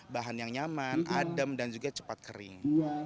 bahan yang nyaman adem dan juga cepat kering